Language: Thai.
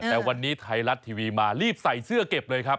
แต่วันนี้ไทยรัฐทีวีมารีบใส่เสื้อเก็บเลยครับ